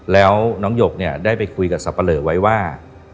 แล้วน้องหยกเนี่ยได้ไปคุยกับสับปะเลอไว้ว่า